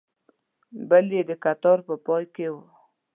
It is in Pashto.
بل یې د کتار په پای کې و.